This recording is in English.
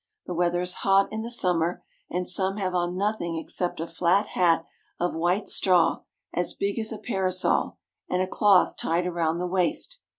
The weather is hot in the summer, and some have on nothing except a flat hat of white straw, as big as a parasol, and a cloth tied around the waist.